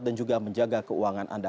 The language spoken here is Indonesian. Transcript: dan juga menjaga keuangan anda